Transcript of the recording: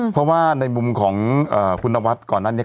เพราะว่าในมุมของคุณนวัดก่อนนั้นเนี่ย